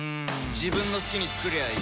自分の好きに作りゃいい